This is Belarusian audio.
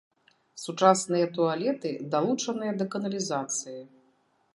Сучасныя туалеты далучаныя да каналізацыі.